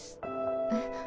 えっ？